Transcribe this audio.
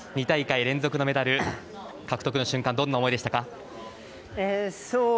２大会連続のメダル獲得の瞬間どんな思いでしたか？